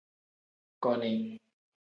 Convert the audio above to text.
Koni.